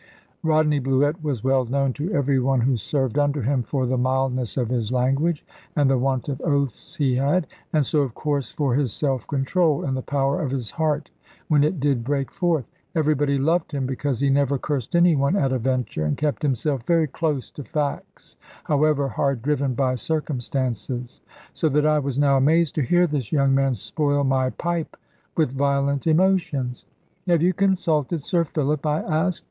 Rodney Bluett was well known to every one who served under him for the mildness of his language, and the want of oaths he had; and so, of course, for his self control, and the power of his heart when it did break forth. Everybody loved him because he never cursed any one at a venture, and kept himself very close to facts, however hard driven by circumstances; so that I was now amazed to hear this young man spoil my pipe with violent emotions. "Have you consulted Sir Philip?" I asked.